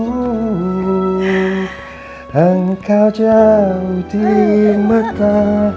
engkau jauh di mata